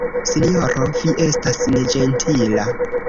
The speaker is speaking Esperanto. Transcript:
Sinjoro, vi estas neĝentila.